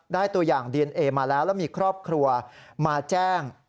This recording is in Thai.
ตัวอย่างดีเอนเอมาแล้วแล้วมีครอบครัวมาแจ้ง